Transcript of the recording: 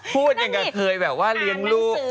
พูดอย่างกับเคยแบบว่าเลี้ยงลูก